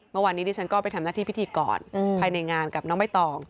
เมื่อวานนี้ดิฉันก็ไปทำหน้าที่พิธีกรภายในงานกับน้องใบตอง